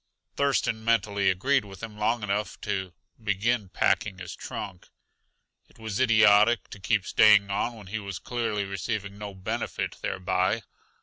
Thurston mentally agreed with him long enough to begin packing his trunk; it was idiotic to keep staying on when he was clearly receiving no benefit thereby.